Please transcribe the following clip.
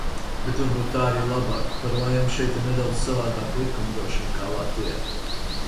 Bet varbūt tā arī labāk. Par laimi, šeit ir nedaudz savādāka likumdošana, kā Latvijā.